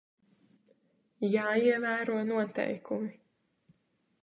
Jāievēro noteikumi.